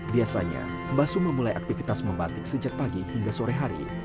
biasanya mbah sum memulai aktivitas membatik sejak pagi hingga sore hari